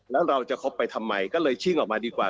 แล้วเราจะคบไปทำไมก็เลยชิ่งออกมาดีกว่า